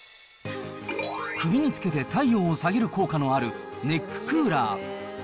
首につけて体温を下げる効果のあるネッククーラー。